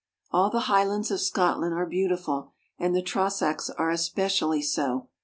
All the Highlands of Scotland are beautiful, and the Trossachs are especially so.